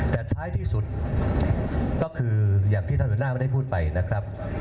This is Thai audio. แต่ท้ายที่สุดก็คืออย่างที่ท่านหัวหน้าไม่ได้พูดไปนะครับ